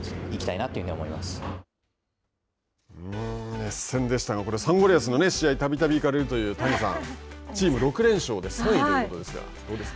熱戦でしたがサンゴリアスの試合たびたび行かれるという谷さんチーム６連勝で３位ということですが、どうですか。